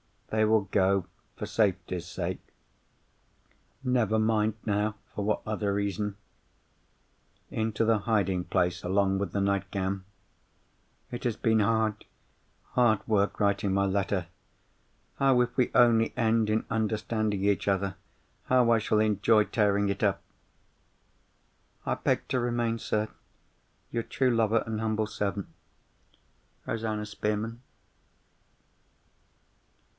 They will go, for safety's sake (never mind now for what other reason) into the hiding place along with the nightgown. It has been hard, hard work writing my letter. Oh! if we only end in understanding each other, how I shall enjoy tearing it up! "I beg to remain, sir, your true lover and humble servant, "ROSANNA SPEARMAN."